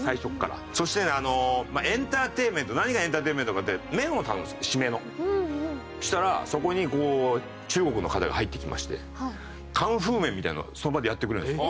そしてエンターテインメント何がエンターテインメントかってそしたらそこに中国の方が入って来ましてカンフー麺みたいなのをその場をやってくれるんですよ。